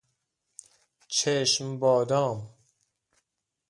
چشم بادام